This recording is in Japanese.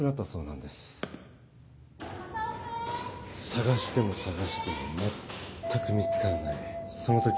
捜しても捜しても全く見つからないその時。